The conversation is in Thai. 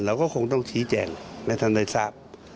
เราก็คงต้องชี้แจงไม่ทันใดทราบ